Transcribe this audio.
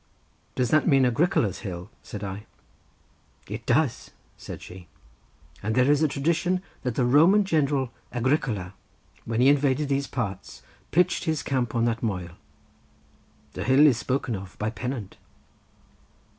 "Does that mean Agricola's hill?" said I. "It does," said she; "and there is a tradition that the Roman general Agricola, when he invaded these parts, pitched his camp on that moel. The hill is spoken of by Pennant."